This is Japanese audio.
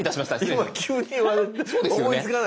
今急に言われて思いつかない。